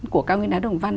của cao nguyên đá đồng văn